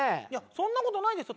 そんな事ないですよ。